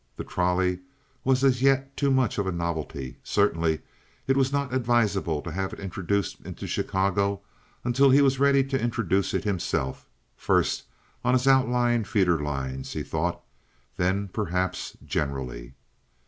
The trolley was as yet too much of a novelty; certainly it was not advisable to have it introduced into Chicago until he was ready to introduce it himself—first on his outlying feeder lines, he thought, then perhaps generally.